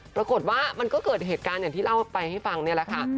ปรากฏว่ามันก็เกิดเหตุการณ์อย่างที่เล่าไปให้ฟังนี่แหละค่ะ